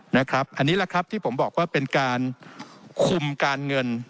นะครับอันนี้แหละครับที่ผมบอกว่าเป็นการคุมการเงิน